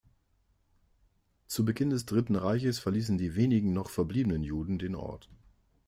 Zu Beginn des Dritten Reiches verließen die wenigen noch verbliebenen Juden den Ort.